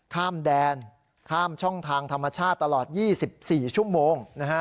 ข้ามแดนข้ามช่องทางธรรมชาติตลอด๒๔ชั่วโมง